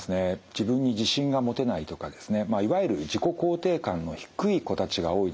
自分に自信が持てないとかですねいわゆる自己肯定感の低い子たちが多いですね。